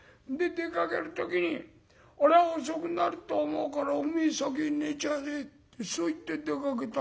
出かける時に『俺は遅くなると思うからおめえ先に寝ちゃえ』ってそう言って出かけたんだよ。